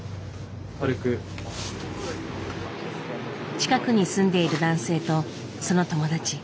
近くに住んでいる男性とその友達。